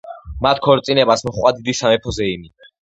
მათ ქორწინებას მოჰყვა დიდი სამეფო ზეიმი.